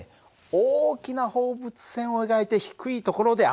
大きな放物線を描いて低いところで当てる。